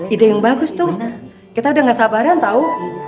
ide yang bagus tuh kita udah gak sabaran tau